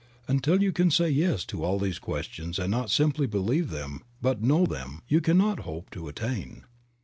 Until you can say yes to all these questions and not simply believe them but know them, you can not hope to attain.